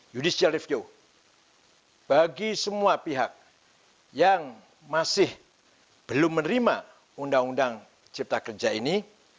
judicial review bagi semua pihak yang masih belum menerima undang undang cipta kerja ini